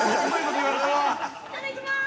◆いただきまーす。